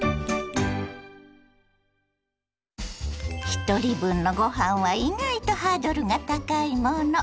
ひとり分のごはんは意外とハードルが高いもの。